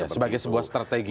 sebagai sebuah strategi